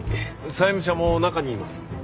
債務者も中にいます。